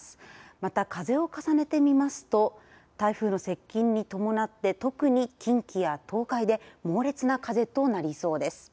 また、風を重ねてみますと台風の接近に伴って特に、近畿や東海で猛烈な風となりそうです。